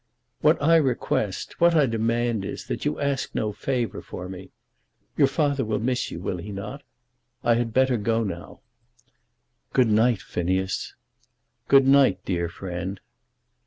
"What I request, what I demand is, that you ask no favour for me. Your father will miss you, will he not? I had better go now." "Good night, Phineas." "Good night, dear friend."